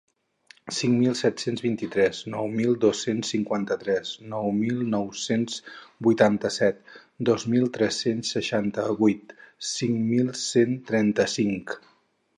Cinc mil set-cents vint-i-tres nou mil dos-cents cinquanta-tres nou mil nou-cents vuitanta-set dos mil tres-cents seixanta-vuit cinc mil cent trenta-cinc...